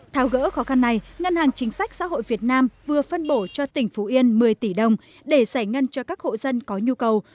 tháo gỡ khó khăn này ngân hàng chính sách xã hội việt nam vừa phân bổ cho tỉnh phú yên một mươi tỷ đồng để giải ngân cho các hộ dân có nhu cầu